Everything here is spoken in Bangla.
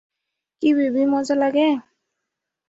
কি বেবি মজা লাগে?